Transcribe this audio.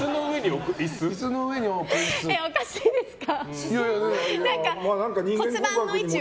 おかしいですか？